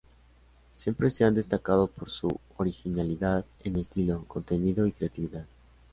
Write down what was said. Siempre se han destacado por su originalidad en estilo, contenido y creatividad.